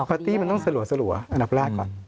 ตี้มันต้องสลัวอันดับแรกก่อน